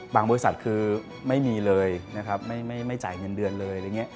บางบริษัทคือไม่มีเลยไม่จ่ายเงินเดือนเลย